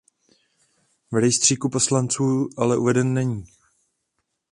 V rejstříku poslanců ale uveden není.